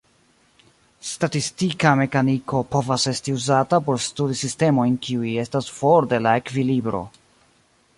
Statistika mekaniko povas esti uzata por studi sistemojn kiuj estas for de la ekvilibro.